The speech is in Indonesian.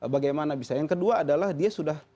bagaimana bisa yang kedua adalah dia sudah